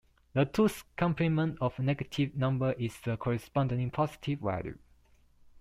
The two's complement of a negative number is the corresponding positive value.